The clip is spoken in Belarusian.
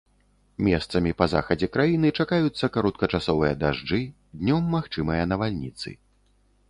Месцамі па захадзе краіны чакаюцца кароткачасовыя дажджы, днём магчымыя навальніцы.